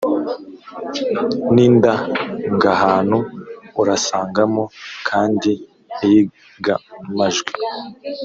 n’indangahantu. Urasangamo kandi iyigamajwi,